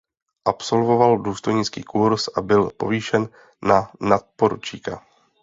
Absolvoval důstojnický kurz a byl povýšen na nadporučíka.